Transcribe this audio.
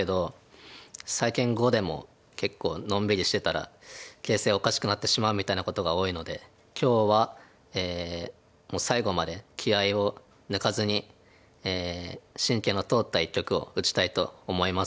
最近碁でも結構のんびりしてたら形勢おかしくなってしまうみたいなことが多いので今日は最後まで気合いを抜かずに神経の通った一局を打ちたいと思います。